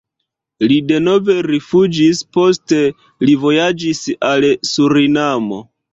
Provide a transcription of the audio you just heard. Li denove rifuĝis, poste li vojaĝis al Surinamo.